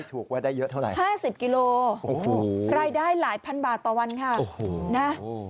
ถูกไว้ได้เยอะเท่าไหร่๕๐กิโลรายได้หลายพันบาทต่อวันค่ะ